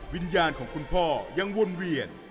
วิญญาณของคุณพ่อยังวนเวียน